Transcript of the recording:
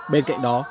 bên cạnh đó